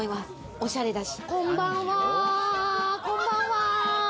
おしゃれだし。